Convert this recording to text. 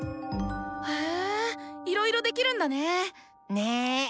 へぇいろいろできるんだね。ね。